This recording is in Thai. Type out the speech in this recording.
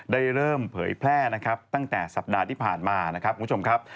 ได้เริ่มเผยแพร่ตั้งแต่สัปดาห์ที่ผ่านมานะครับ